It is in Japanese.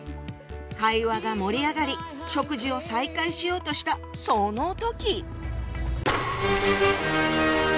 会話が盛り上がり食事を再開しようとしたその時！